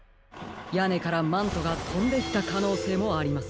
やねからマントがとんでいったかのうせいもあります。